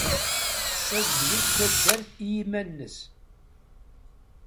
Tessazdeg-d taddart i yiman-nnes.